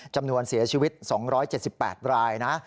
จำนวนเสียชีวิต๒๗๘รายนะ